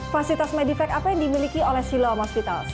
fasilitas medifect apa yang dimiliki oleh silo hospital